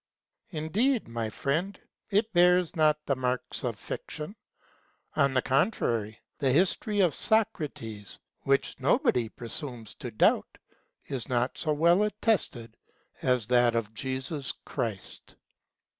Indeed, my friend, it bears not the marks of fiction ; on the contrary, the his tory of Socrates, which nobody presumes to doubt, is not so well attested as that of Jesus Christ.